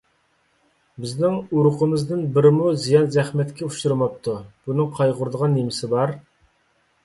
بىزنىڭ ئۇرۇقىمىزدىن بىرىمۇ زىيان - زەخمەتكە ئۇچرىماپتۇ. بۇنىڭ قايغۇرىدىغان نېمىسى بار؟